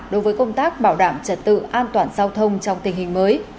đối với công tác bảo đảm trật tự an toàn giao thông trong tình hình mới